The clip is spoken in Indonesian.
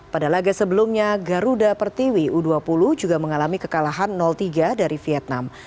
pada laga sebelumnya garuda pertiwi u dua puluh juga mengalami kekalahan tiga dari vietnam